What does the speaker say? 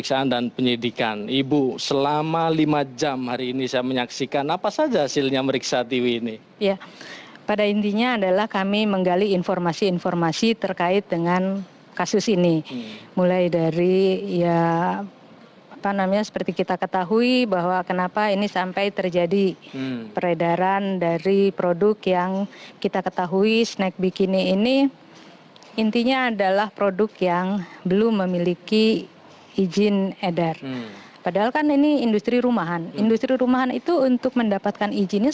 badan pengawasan obat dan makanan bepom mengeluarkan rilis hasil penggerbekan tempat produksi bihun berdesain bikini